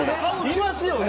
いますよね！